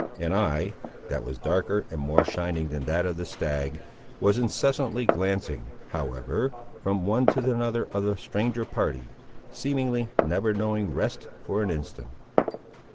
An eye, that was darker and more shining than that of the stag, was incessantly glancing, however, from one to another of the stranger party, seemingly never knowing rest for an instant.